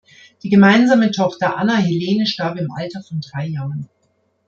Die gemeinsame Tochter Anna Helene starb im Alter von drei Jahren.